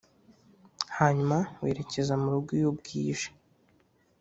hanyuma werekeza murugo iyo bwije